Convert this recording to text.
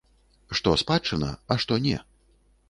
Што спадчына, а што не?